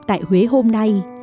tại huế hôm nay